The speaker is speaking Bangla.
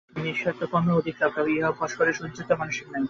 নিঃস্বার্থ কর্মেই অধিক লাভ, তবে ইহা অভ্যাস করিবার সহিষ্ণুতা মানুষের নাই।